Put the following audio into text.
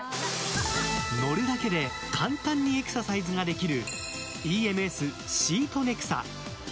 乗るだけで簡単にエクササイズができるＥＭＳシートネクサ。